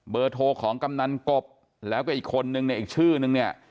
โทรของกำนันกบแล้วก็อีกคนนึงเนี่ยอีกชื่อนึงเนี่ย